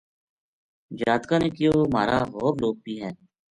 جاتکاں نے کہیو مھارا ہور لوک بھی ہے۔